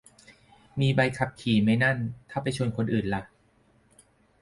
มีใบขับขี่ไหมนั่น ถ้าไปชนคนอื่นล่ะ